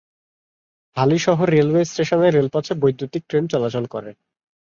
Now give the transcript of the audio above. Halisahar railway স্টেশনের রেলপথে বৈদ্যুতীক ট্রেন চলাচল করে।